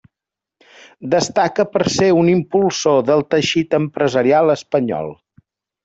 Destaca per ser un impulsor del teixit empresarial espanyol.